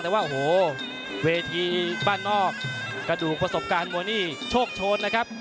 แต่ว่าโอ้โหเวทีบ้านนอกกระดูกประสบการณ์มวยนี่โชคโชนนะครับ